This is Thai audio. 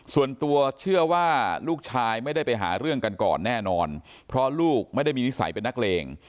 ส่วนตัวเชื่อว่าลูกชายไม่ได้ไปหาเรื่องกันก่อนแน่นอนเพราะลูกไม่ได้มีนิสัยเป็นนักเลง